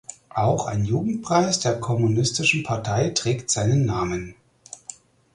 Auch ein Jugendpreis der Kommunistischen Partei trägt seinen Namen.